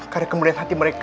karena kemudian hati mereka